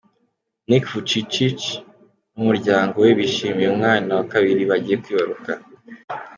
Nick Vujicic n'umuryango we bishimiye umwana wa kabiri bagiye kwibaruka.